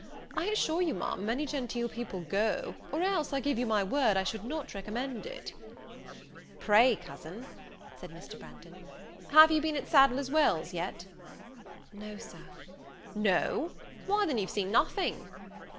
I assure you, Ma'am, many genteel people go, or else, I give you my word, I should not recommend it." "Pray, cousin," said Mr. Branghton, "have you been at Sadler's Wells yet?" "No, Sir." "No! why, then you've seen nothing!"